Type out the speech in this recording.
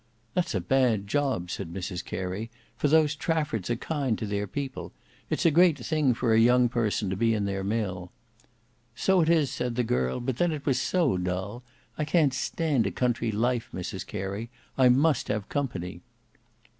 "That's a bad job," said Mrs Carey; "for those Traffords are kind to their people. It's a great thing for a young person to be in their mill." "So it is," said the girl, "but then it was so dull. I can't stand a country life, Mrs Carey. I must have company."